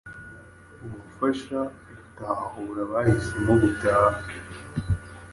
gufasha gutahura abahisemo gutaha